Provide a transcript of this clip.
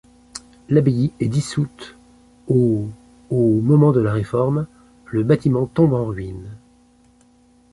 L'abbaye est dissoute au au moment de la Réforme, le bâtiment tombe en ruine.